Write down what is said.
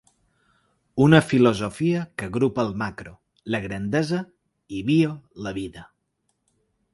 Una filosofia que agrupa el “macro”, la grandesa i “bio” la vida.